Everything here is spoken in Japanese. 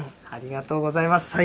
ありがとうございます。